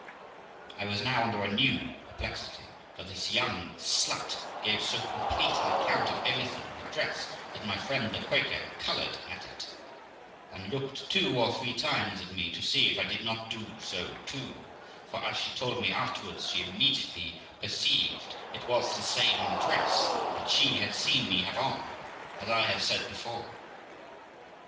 I was now under a new perplexity, for this young slut gave so complete an account of everything in the dress that my friend the Quaker coloured at it, and looked two or three times at me, to see if I did not do so too; for (as she told me afterwards) she immediately perceived it was the same dress that she had seen me have on, as I have said before.